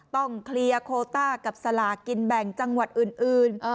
ต้องเคลียร์โคต้ากับสลากินแบ่งจังหวัดอื่น